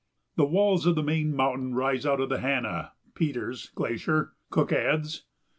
"The walls of the main mountain rise out of the Hanna (Peters) Glacier," Cook adds.